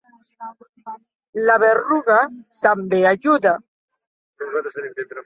La berruga també ajuda.